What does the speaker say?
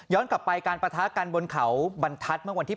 กลับไปการปะทะกันบนเขาบรรทัศน์เมื่อวันที่๑